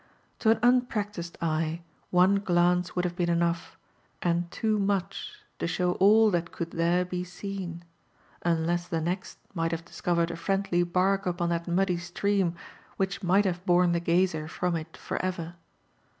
To an unpractised eye, one glance would have been enough, and too much, to show all that could there be seen ; unless the next might have discovered a friendly bark upon that muddy stream, which might have borne the gazer from it for ever.